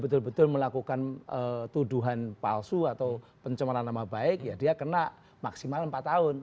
betul betul melakukan tuduhan palsu atau pencemaran nama baik ya dia kena maksimal empat tahun